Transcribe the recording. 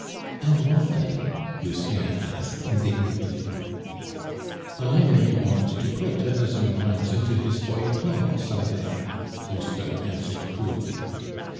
"And why?" Lucien, asked, indignantly. "I may want to put a dozen lines into his feuilleton some day," Lousteau answered coolly.